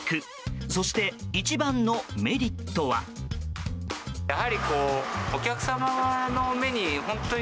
そして一番のメリットは。